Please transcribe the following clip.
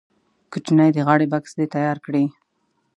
کوچنی د غاړې بکس دې تیار کړي.